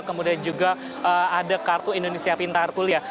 kemudian juga ada kartu indonesia pintar kuliah